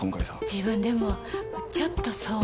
自分でもちょっとそう思うわ。